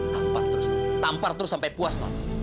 tampar terus tampar terus sampai puas